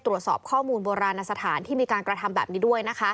ตรวจสอบข้อมูลโบราณสถานที่มีการกระทำแบบนี้ด้วยนะคะ